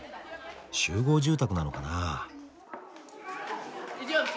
集合住宅なのかな。